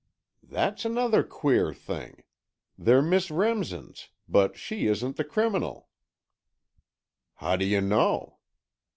"That's another queer thing. They're Miss Remsen's, but she isn't the criminal." "How do you know?"